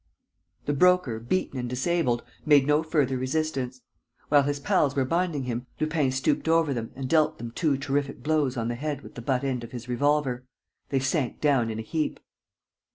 ..." The Broker, beaten and disabled, made no further resistance. While his pals were binding him, Lupin stooped over them and dealt them two terrific blows on the head with the butt end of his revolver. They sank down in a heap.